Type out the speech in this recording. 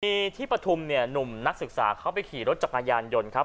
มีที่ปฐุมเนี่ยหนุ่มนักศึกษาเขาไปขี่รถจักรยานยนต์ครับ